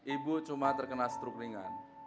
ibu cuma terkena struk ringan